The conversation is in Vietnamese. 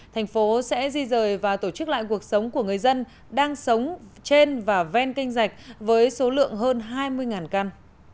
thành phố sẽ di rời và tổ chức lại cuộc sống của người dân đang sống trên và ven kênh dạch với số lượng hơn hai mươi căn